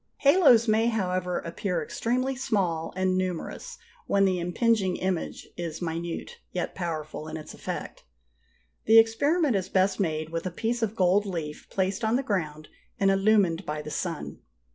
Halos may, however, appear extremely small and numerous when the impinging image is minute, yet powerful, in its effect. The experiment is best made with a piece of gold leaf placed on the ground and illumined by the sun.